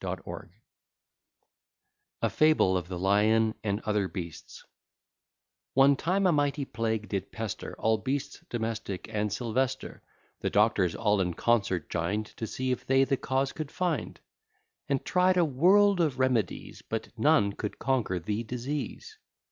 Scott] A FABLE OF THE LION AND OTHER BEASTS One time a mighty plague did pester All beasts domestic and sylvester, The doctors all in concert join'd, To see if they the cause could find; And tried a world of remedies, But none could conquer the disease.